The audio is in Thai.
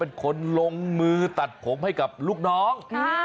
เป็นคนลงมือตัดผมให้กับลูกน้อง